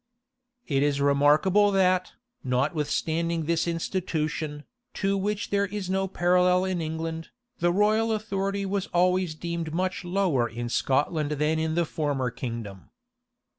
[*] It is remarkable that, notwithstanding this institution, to which there is no parallel in England, the royal authority was always deemed much lower in Scotland than in the former kingdom.